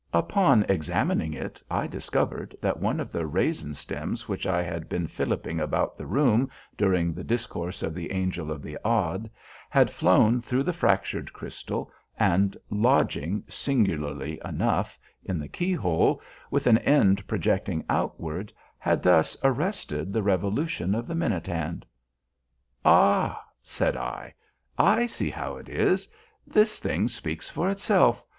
Upon examining it I discovered that one of the raisin stems which I had been filiping about the room during the discourse of the Angel of the Odd had flown through the fractured crystal, and lodging, singularly enough, in the keyhole, with an end projecting outward, had thus arrested the revolution of the minute hand. "Ah!" said I, "I see how it is. This thing speaks for itself.